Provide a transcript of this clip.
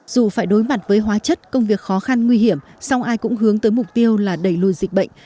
dù phải đối mặt với hóa chất công việc khó khăn nguy hiểm sau ai cũng hướng tới mục tiêu là đẩy lùi dịch bệnh